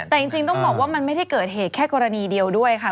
แต่จริงต้องบอกว่ามันไม่ได้เกิดเหตุแค่กรณีเดียวด้วยค่ะ